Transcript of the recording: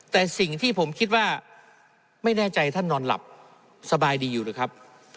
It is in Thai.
แต่สิ่งที่ผมคิดว่าไม่แน่ใจท่านนอนหลับสบายดีอยู่หรือครับ